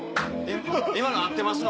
今の合ってますの？